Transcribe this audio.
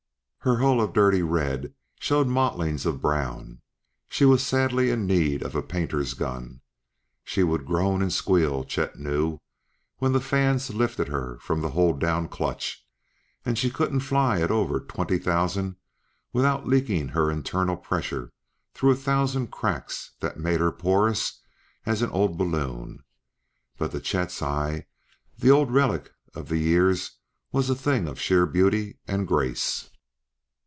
Her hull of dirty red showed mottlings of brown; she was sadly in need of a painter's gun. She would groan and squeal, Chet knew, when the fans lifted her from the hold down clutch; and she couldn't fly at over twenty thousand without leaking her internal pressure through a thousand cracks that made her porous as an old balloon but to Chet's eyes the old relic of the years was a thing of sheer beauty and grace.